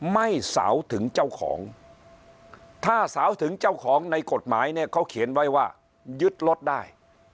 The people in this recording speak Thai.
ไม่สาวถึงเจ้าของถ้าสาวถึงเจ้าของในกฎหมายเนี่ยเขาเขียนไว้ว่ายึดรถได้